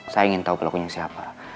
saya ingin tahu pelakunya siapa